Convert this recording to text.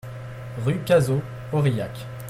Rue Cazaud, Aurillac